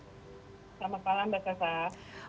selamat malam mbak kesa